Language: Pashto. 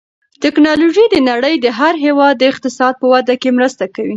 تکنالوژي د نړۍ د هر هېواد د اقتصاد په وده کې مرسته کوي.